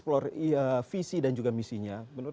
explore visi dan juga misinya